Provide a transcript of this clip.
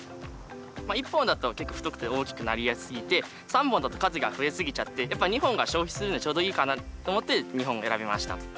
１本だと結構太くて大きくなりやすすぎて３本だと数が増えすぎちゃってやっぱ２本が消費するのにちょうどいいかなと思って２本を選びました。